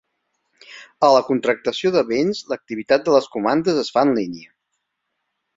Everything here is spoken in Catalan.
A la contractació de bens, l"activitat de les comandes es fa en línia.